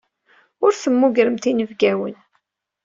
Ur temmugremt inebgawen.